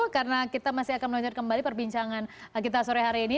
karena kita masih akan lanjut kembali perbincangan kita sore hari ini